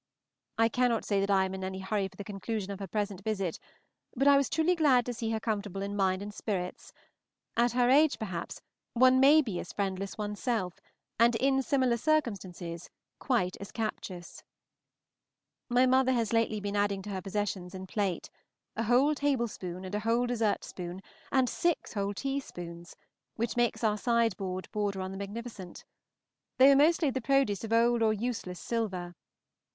I cannot say that I am in any hurry for the conclusion of her present visit, but I was truly glad to see her comfortable in mind and spirits; at her age, perhaps, one may be as friendless oneself, and in similar circumstances quite as captious. My mother has been lately adding to her possessions in plate, a whole tablespoon and a whole dessert spoon, and six whole teaspoons, which makes our sideboard border on the magnificent. They were mostly the produce of old or useless silver.